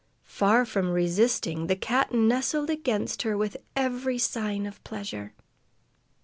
Far from resisting, the cat nestled against her with every sign of pleasure.